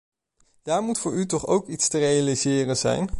Daar moet voor u toch ook iets te realiseren zijn?